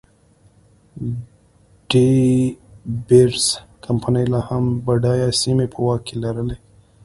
ډي بیرز کمپنۍ لا هم بډایه سیمې په واک کې لرلې.